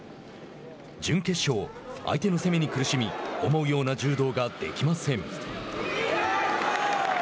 準決勝、相手の攻めに苦しみ思うような柔道ができません。